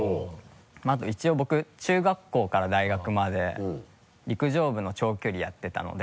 まぁあと一応僕中学校から大学まで陸上部の長距離やってたので。